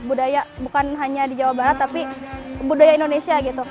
budaya bukan hanya di jawa barat tapi budaya indonesia gitu